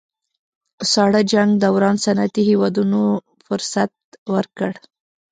ساړه جنګ دوران صنعتي هېوادونو فرصت ورکړ